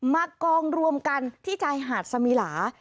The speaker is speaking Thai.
มากองรวมกันที่ชายหาดสมิลา